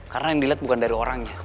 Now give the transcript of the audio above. karena yang dilihat bukan dari orangnya